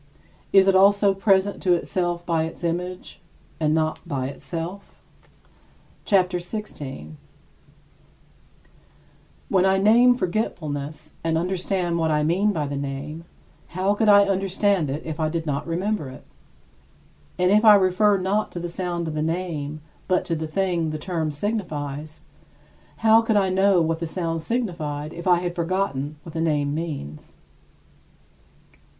Is it also present to itself by its image, and not by itself? CHAPTER XVI 24. When I name forgetfulness, and understand what I mean by the name, how could I understand it if I did not remember it? And if I refer not to the sound of the name, but to the thing which the term signifies, how could I know what that sound signified if I had forgotten what the name means?